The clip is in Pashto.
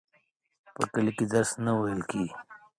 په کلي کي درس نه وویل کیږي.